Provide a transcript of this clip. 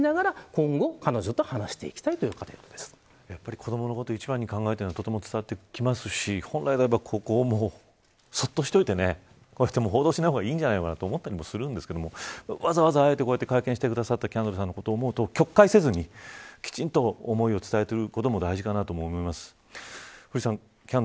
子どものことを一番に考えているのがとても伝わってきますし本来であれば、そっとしておいて報道しない方がいいんじゃないのかと思ったりもするんですがわざわざ、あえてこうやって会見してくれたキャンドルさんのことを思うと曲解せずにきちんと思いを伝えることも大切かと思います。